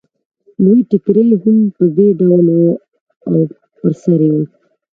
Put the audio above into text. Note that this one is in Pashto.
لوی ټکری یې هم په همدې ډول و او پر سر یې و